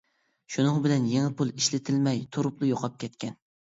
شۇنىڭ بىلەن يېڭى پۇل ئىشلىتىلمەي تۇرۇپلا يوقاپ كەتكەن.